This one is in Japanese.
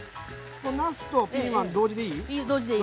なすとピーマン同時でいい？